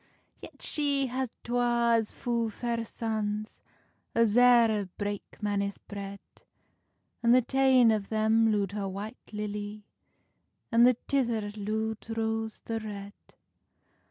Yet she had twa as fu fair sons As eer brake manis bread, And the tane of them loed her White Lilly, And the tither lood Rose the Red.